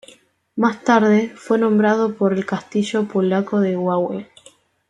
Más tarde fue nombrado por el castillo polaco de Wawel.